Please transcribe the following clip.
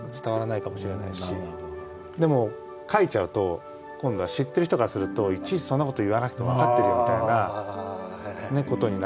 でも書いちゃうと今度は知ってる人からするといちいちそんなこと言わなくても分かってるよみたいなことになっちゃうかもしれないし。